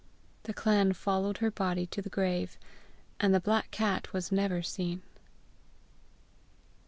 The clan followed her body to the grave, and the black cat was never seen.